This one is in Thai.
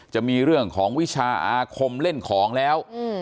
จะมีเรื่องของวิชาอาคมเล่นของแล้ว